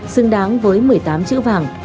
xứng đáng với một mươi tám chữ vàng